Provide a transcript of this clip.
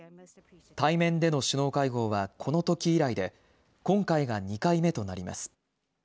対面での首脳会合はこのとき以来で、今回が２回目となります。